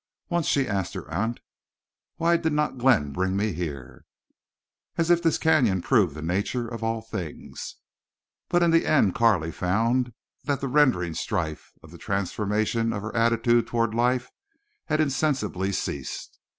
Once she asked her aunt: "Why did not Glenn bring me here?" As if this Canyon proved the nature of all things! But in the end Carley found that the rending strife of the transformation of her attitude toward life had insensibly ceased.